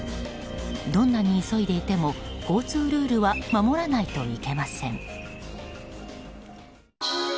どんなに急いでいても交通ルールは守らないといけません。